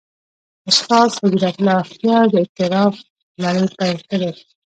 استاد هجرت الله اختیار د «اعتراف» لړۍ پېل کړې.